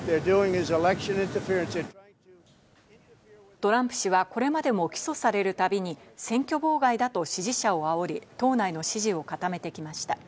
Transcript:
トランプ氏はこれまでも起訴されるたびに選挙妨害だと支持者を煽り、党内の支持を固めてきました。